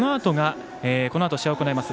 このあと試合行います